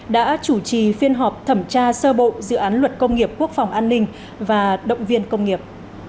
đã chủ trì phiên họp thẩm tra sơ bộ dự án luật công nghiệp quốc phòng an ninh và động viên công nghiệp